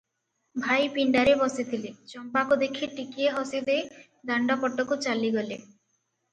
ଭାଇ ପିଣ୍ଡାରେ ବସିଥିଲେ, ଚମ୍ପାକୁ ଦେଖି ଟକିଏ ହସିଦେଇ ଦାଣ୍ଡ ପଟକୁ ଚାଲିଗଲେ!